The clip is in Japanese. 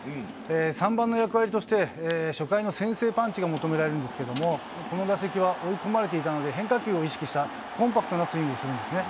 ３番の役割として、初回の先制パンチが求められるんですけれども、この打席は追い込まれていたので、変化球を意識したコンパクトなスイングをするんですね。